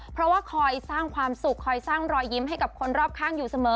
เพราะว่าคอยสร้างความสุขคอยสร้างรอยยิ้มให้กับคนรอบข้างอยู่เสมอ